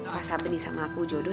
bangsa beni sama aku jodoh